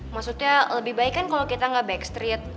maksudnya lebih baik kan kalo kita nggak backstreet